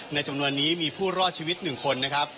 จำนวนนี้มีผู้รอดชีวิต๑คนนะครับ